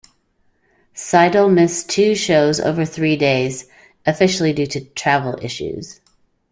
Sydal missed two shows over three days, officially due to "travel issues".